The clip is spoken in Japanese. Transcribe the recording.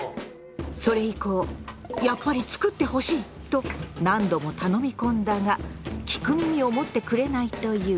それ以降「やっぱり作ってほしい」と何度も頼み込んだが聞く耳を持ってくれないという。